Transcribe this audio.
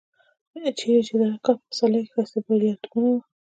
چېرې چې د هغه کال په پسرلي کې ښایسته بریالیتوبونه و.